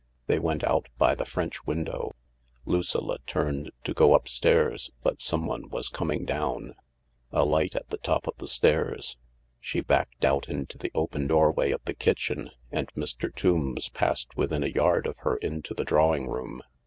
They went out by the French window. Lucilla turned to go upstairs, but someone was coming down. A light at the top of the stairs. She backed out into the open doorway of the kitchen, and Mr. Tombs passed within a yard of her and into the drawing room.